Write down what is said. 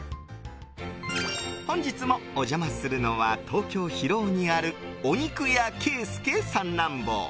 本日もお邪魔するのは東京・広尾にあるお肉屋けいすけ三男坊。